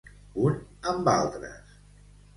Un amb altres.